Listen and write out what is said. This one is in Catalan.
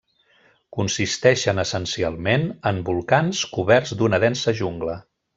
Consisteixen essencialment en volcans coberts d'una densa jungla.